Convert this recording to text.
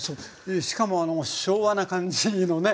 しかも昭和な感じのね。